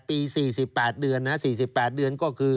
ปี๔๘เดือน๔๘เดือนก็คือ